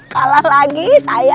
kalah lagi saya